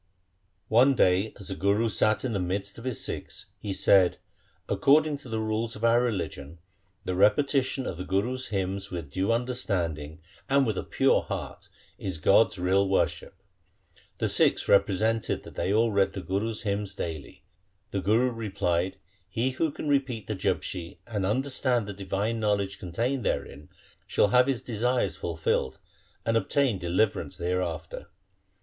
One day as the Guru sat in the midst of his Sikhs he said, ' According to the rules of our re ligion the repetition of the Gurus' hymns with due understanding and with a pure heart is God's real worship.' The Sikhs represented that they all read the Gurus' hymns daily. The Guru re plied, ' He who can repeat the Japji and under stand the divine knowledge contained therein, shall have his desires fulfilled, and obtain deliverance hereafter.'